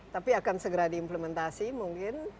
tapi akan segera diimplementasi mungkin